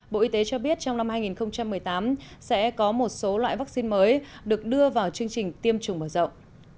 bộ y tế cho biết trong năm hai nghìn một mươi tám sẽ có một số loại vaccine mới được đưa vào chương trình tiêm chủng mở rộng